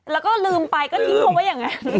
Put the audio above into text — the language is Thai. แล้วก็ลืมไปก็ทิ้งโทรว่ายังไง